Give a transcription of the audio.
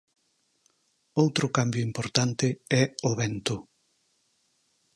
Outro cambio importante é o vento.